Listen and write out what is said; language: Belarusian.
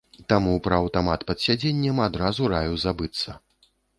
Таму пра аўтамат пад сядзеннем адразу раю забыцца.